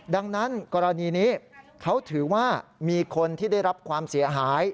ดังนั้นกรณีนี้เขาถือว่ามีคนที่ได้รับความเสียหาย